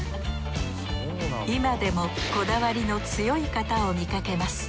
今でもこだわりの強い方を見かけます。